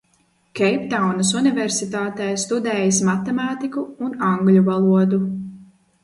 Keiptaunas Universitātē studējis matemātiku un angļu valodu.